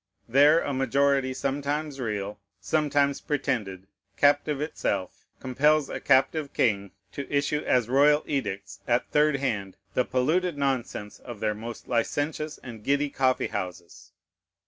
There a majority, sometimes real, sometimes pretended, captive itself, compels a captive king to issue as royal edicts, at third hand, the polluted nonsense of their most licentious and giddy coffee houses.